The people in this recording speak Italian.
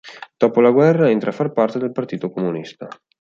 Dopo la guerra entra a far parte del partito comunista.